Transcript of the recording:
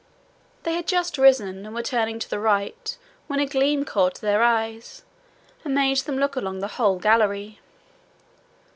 They had just risen and were turning to the right, when a gleam caught their eyes, and made them look along the whole gallery.